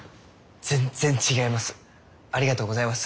全然違います！